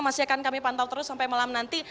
masih akan kami pantau terus sampai malam nanti